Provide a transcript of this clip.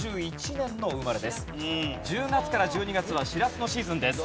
１０月から１２月はしらすのシーズンです。